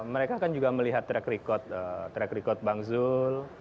mereka kan juga melihat track record bang zul